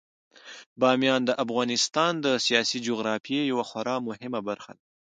بامیان د افغانستان د سیاسي جغرافیې یوه خورا مهمه برخه ده.